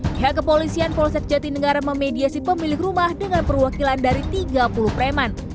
di hak kepolisian polsek jatindegara memediasi pemilik rumah dengan perwakilan dari tiga puluh preman